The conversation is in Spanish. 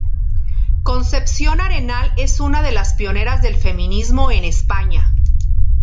Concepción Arenal es una de las pioneras del feminismo en España.